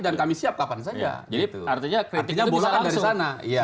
jadi artinya kritiknya bisa langsung